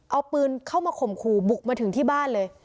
เอาปืนเข้ามาข่มขู่บุกมาถึงที่บ้านเลย